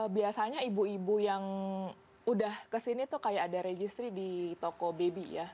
biasanya ibu ibu yang udah kesini tuh kayak ada registry di toko baby ya